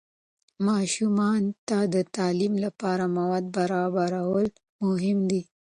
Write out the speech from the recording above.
ماشومان ته د تعلیم لپاره مواد برابرول مهم دي.